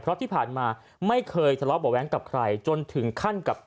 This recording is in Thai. เพราะที่ผ่านมาไม่เคยทะเลาะเบาะแว้งกับใครจนถึงขั้นกับ